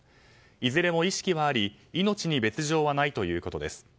いずれも意識はあり命に別条はないということです。